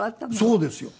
そうですよ。